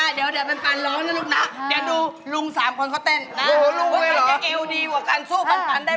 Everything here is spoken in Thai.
จิงจิงปอนจิงจิงจิงจิงปะเวยงยังก็ได้